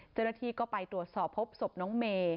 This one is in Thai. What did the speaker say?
เจ้าหน้าที่ก็ไปตรวจสอบพบศพน้องเมย์